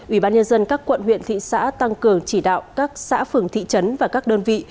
ubnd các quận huyện thị xã tăng cường chỉ đạo các xã phường thị trấn và các đơn vị